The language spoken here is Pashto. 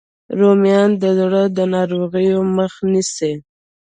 رومیان د زړه د ناروغیو مخه نیسي